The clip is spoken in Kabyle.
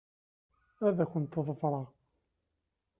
Ad kent-ḍefṛeɣ.